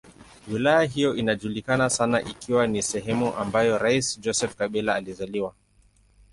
Wilaya hiyo inajulikana sana ikiwa ni sehemu ambayo rais Joseph Kabila alizaliwa.